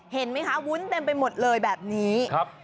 เห็นไหมคะวุ้นเต็มไปหมดเลยแบบนี้